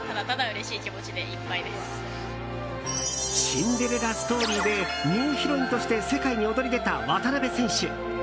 シンデレラストーリーでニューヒロインとして世界に躍り出た渡辺選手。